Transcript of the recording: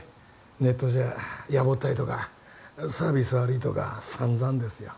ネットじゃやぼったいとかあぁサービス悪いとかさんざんですよ。